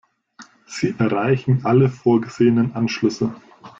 Sie erreichen alle vorgesehenen Anschlüsse.